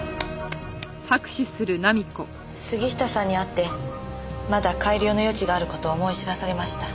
杉下さんに会ってまだ改良の余地がある事を思い知らされました。